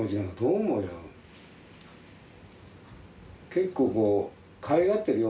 結構かわいがってるよ